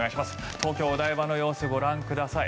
東京・お台場の様子をご覧ください。